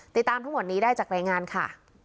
ติดตามทุกนี้ได้จากรายงานค่ะ